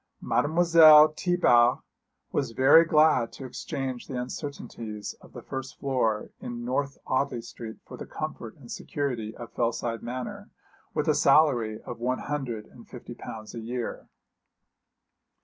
Mademoiselle Thiebart was very glad to exchange the uncertainties of a first floor in North Audley Street for the comfort and security of Fellside Manor, with a salary of one hundred and fifty pounds a year.